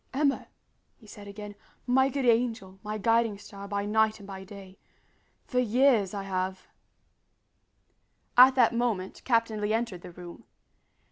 "Emma," he said again, "my good angel, my guiding star by night and by day for years I have " At that moment Captain Lee entered the room.